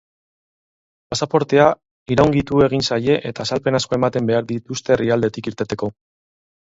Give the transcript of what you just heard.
Pasaportea iraungitu egin zaie eta azalpen asko ematen behar dituzte herrialdetik irteteko.